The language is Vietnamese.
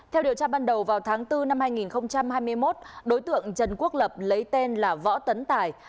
theo điều tra ban đầu vào tháng bốn năm hai nghìn hai mươi một đối tượng trần quốc lập lấy tên là võ tấn tài